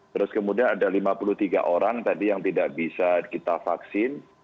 terus kemudian ada lima puluh tiga orang tadi yang tidak bisa kita vaksin